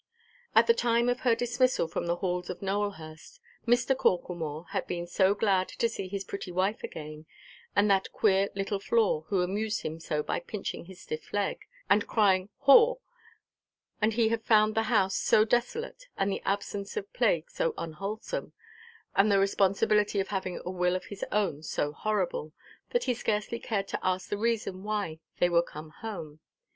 At the time of her dismissal from the halls of Nowelhurst, Mr. Corklemore had been so glad to see his pretty wife again, and that queer little Flore, who amused him so by pinching his stiff leg, and crying "haw," and he had found the house so desolate, and the absence of plague so unwholesome, and the responsibility of having a will of his own so horrible, that he scarcely cared to ask the reason why they were come home.